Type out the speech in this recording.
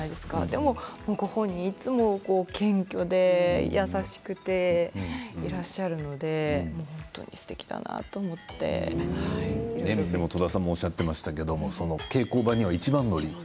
でもご本人は、いつも謙虚で優しくていらっしゃるので本当にすてきだなと思って戸田さんもおっしゃっていましたけど稽古場には一番乗り？